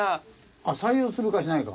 あっ採用するかしないか？